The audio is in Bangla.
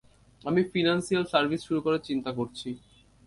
আমি ফিন্যান্সিয়াল সার্ভিস শুরু করার চিন্তা করছি।